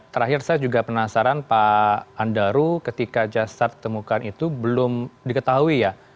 terakhir saya juga penasaran pak andaru ketika jasad ditemukan itu belum diketahui ya